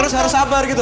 terus harus sabar gitu